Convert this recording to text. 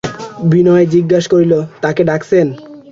বিনয় জিজ্ঞাসা করিল, কাকে ডাকছেন?